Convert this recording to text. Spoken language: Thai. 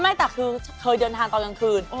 ไม่แต่คือเคยเดินทางตอนกลางคืน